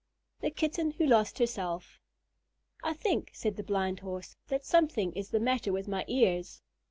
'" THE KITTEN WHO LOST HERSELF "I think," said the Blind Horse, "that something is the matter with my ears."